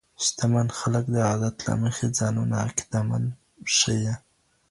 شتمن خلګ د عادت له مخې ځانونه عقیده مند ښیي.